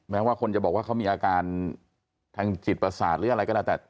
แม้ว่าคนจะบอกว่าเขามีอาการทางจิตประสาทหรืออะไรก็แล้วแต่